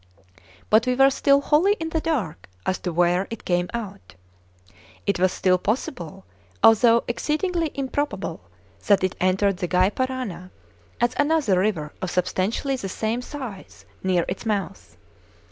But we were still wholly in the dark as to where it came out. It was still possible, although exceedingly improbable, that it entered the Gy Parana, as another river of substantially the same size, near its mouth.